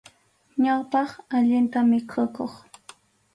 Ñawpaq, allinta mikhukuq.